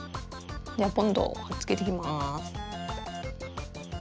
じゃあボンドをはっつけていきます。